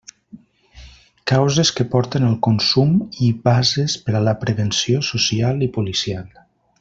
Causes que porten al consum i bases per a la prevenció social i policial.